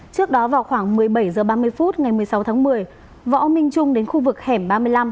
trước đó vào khoảng một mươi bảy h ba mươi phút ngày một mươi sáu tháng một mươi võ minh trung đến khu vực hẻm ba mươi năm